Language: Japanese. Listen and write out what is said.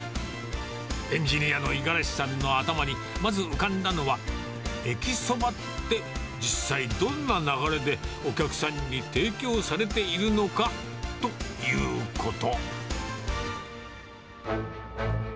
開発を任されたメンバーの一人、エンジニアの五十嵐さんの頭に、まず浮かんだのは、駅そばって実際どんな流れでお客さんに提供されているのかということ。